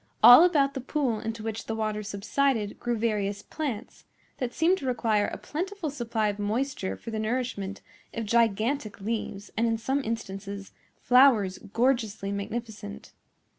All about the pool into which the water subsided grew various plants, that seemed to require a plentiful supply of moisture for the nourishment of gigantic leaves, and in some instances, flowers gorgeously magnificent.